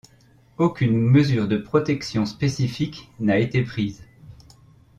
Aucune mesure de protection spécifique n'a été prise.